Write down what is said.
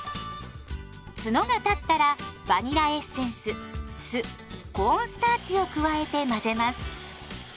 ツノが立ったらバニラエッセンス酢コーンスターチを加えて混ぜます。